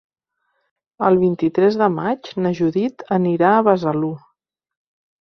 El vint-i-tres de maig na Judit anirà a Besalú.